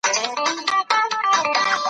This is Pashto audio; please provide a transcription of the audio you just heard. د هغه يونليک تر نورو معتبر دی.